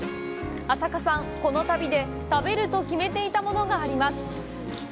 朝加さん、この旅で食べると決めていたものがあります。